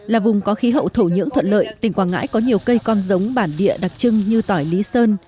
là vùng có khí hậu thổ nhưỡng thuận lợi tỉnh quảng ngãi có nhiều cây con giống bản địa đặc trưng như tỏi lý sơn